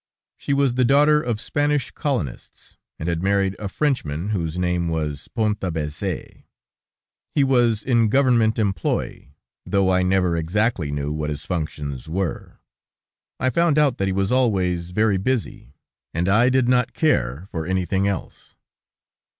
She was the daughter of Spanish colonists, and had married a Frenchman, whose name was Pontabeze. He was in government employ, though I never exactly knew what his functions were. I found out that he was always very busy, and I did not care for anything else.